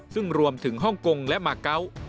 ซึ่งรวมถึงฮ่องกงและมาเกาะ